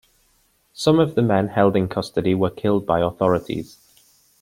Some of the men held in custody were killed by authorities.